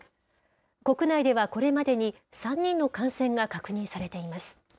国内ではこれまでに３人の感染が確認されています。